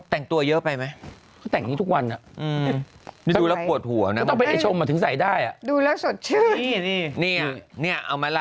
แต่ตัวเยอะไปไหมแต่งนี้ทุกวันและไปแล้วปวดหัวจะชมถึงใส่ได้นี่สดชื่อเอามาล่ะ